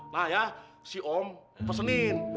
nah ya si om pesenin